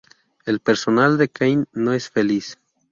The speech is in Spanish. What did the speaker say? El personal de Kane no es feliz.